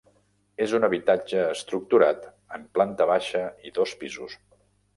És un habitatge estructurat en planta baixa i dos pisos.